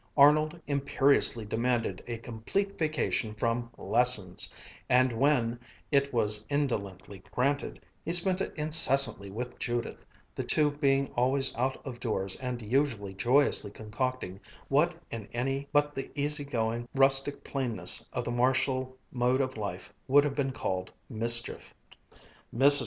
Arnold imperiously demanded a complete vacation from "lessons," and when, it was indolently granted, he spent it incessantly with Judith, the two being always out of doors and usually joyously concocting what in any but the easy going, rustic plainness of the Marshall mode of life would have been called mischief. Mrs.